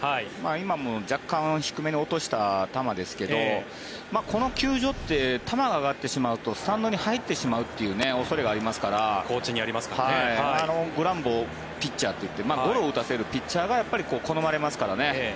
今も若干低めに落とした球ですがこの球場って球が上がってしまうとスタンドに入ってしまうという恐れがありますからグラウンドピッチャーといってゴロを打たせるピッチャーが好まれますからね。